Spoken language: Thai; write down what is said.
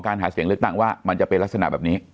หาเสียงเลือกตั้งว่ามันจะเป็นลักษณะแบบนี้